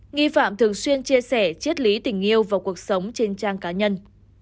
nghi phạm thường xuyên chia sẻ triết lý tình yêu và cuộc sống trên trang cá nhân